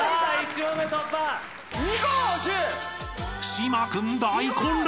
［島君大混乱！